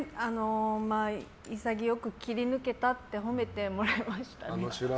潔く切り抜けたと褒めてもらいましたね。